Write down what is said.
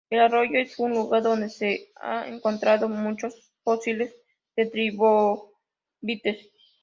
El arroyo es un lugar donde se ha encontrado muchos fósiles de trilobites.